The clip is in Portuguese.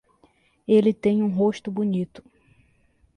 Ele tem um rosto bonito.